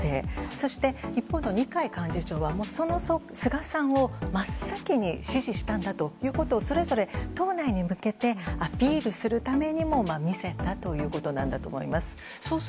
そして、一方の二階幹事長はその菅さんを真っ先に支持したんだとそれぞれ党内に向けてアピールするためにも見せたということだと思います。